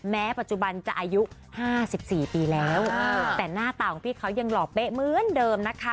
แม้ปัจจุบันจะอายุ๕๔ปีแล้วแต่หน้าตาของพี่เขายังหล่อเป๊ะเหมือนเดิมนะคะ